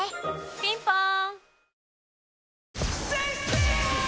ピンポーン